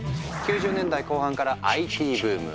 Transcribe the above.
９０年代後半からＩＴブーム。